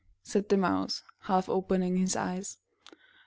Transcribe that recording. said the Mouse, half opening his eyes.